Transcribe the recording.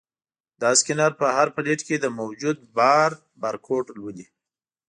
دا سکینر په هر پلیټ کې د موجود بار بارکوډ لولي.